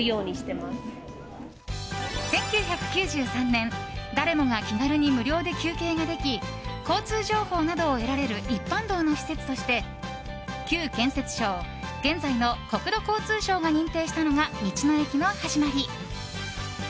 １９９３年誰もが気軽に無料で休憩ができ交通情報などを得られる一般道の施設として旧建設省現在の国土交通省が認定したのが道の駅の始まり。